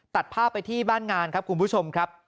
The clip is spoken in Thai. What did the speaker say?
ตัดภาพไปที่บ้านงานครับคุณผู้ชมครับ